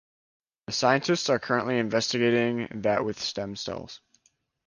The scientists are currently investigating that with stem cells.